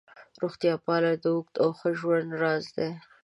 روغتیا پالنه د اوږد او ښه ژوند راز دی.